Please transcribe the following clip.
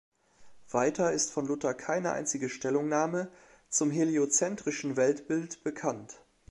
Weiter ist von Luther keine einzige Stellungnahme zum heliozentrischen Weltbild bekannt.